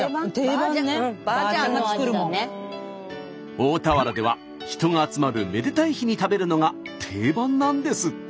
大田原では人が集まるめでたい日に食べるのが定番なんですって。